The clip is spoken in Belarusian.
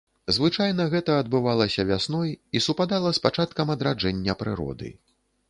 Звычайна гэта адбывалася вясной і супадала з пачаткам адраджэння прыроды.